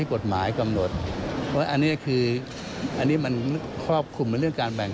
ความไม่ชัดเจนของเขตเลือกตั้ง